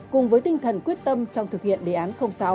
cùng với tinh thần quyết tâm trong thực hiện đề án sáu